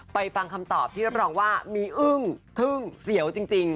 ฟังคำตอบที่รับรองว่ามีอึ้งทึ่งเสียวจริง